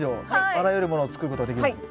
あらゆるものを作ることができるんですか？